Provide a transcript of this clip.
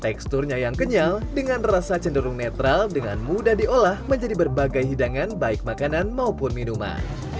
teksturnya yang kenyal dengan rasa cenderung netral dengan mudah diolah menjadi berbagai hidangan baik makanan maupun minuman